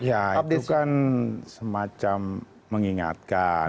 ya itu kan semacam mengingatkan